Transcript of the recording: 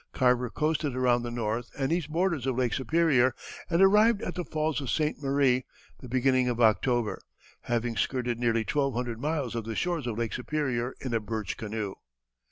Carver coasted around the north and east borders of Lake Superior, and arrived at the Falls of Ste. Marie the beginning of October, having skirted nearly twelve hundred miles of the shores of Lake Superior in a birch canoe.